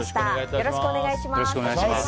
よろしくお願いします。